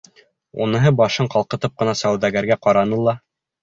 Уныһы башын ҡалҡытып ҡына сауҙагәргә ҡараны ла: